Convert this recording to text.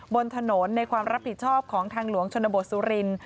บนถนนในความรับผิดชอบของทางหลวงชนบทสุรินทร์